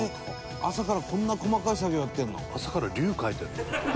朝からこんな細かい作業やってるの？」